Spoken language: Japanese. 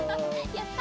やった！